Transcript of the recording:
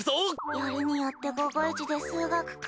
よりによって午後イチで数学か。